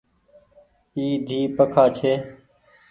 اي ۮي پکآن ڇي